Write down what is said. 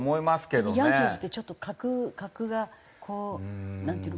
でもヤンキースってちょっと格がこうなんていうの？